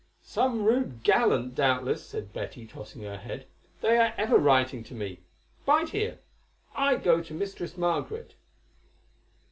"Some rude gallant, doubtless," said Betty, tossing her head; "they are ever writing to me. Bide here; I go to Mistress Margaret."